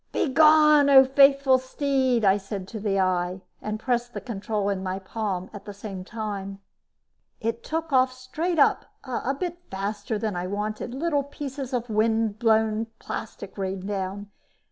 "Begone, O faithful steed," I said to the eye, and pressed the control in my palm at the same time. It took off straight up a bit faster than I wanted; little pieces of wind torn plastic rained down.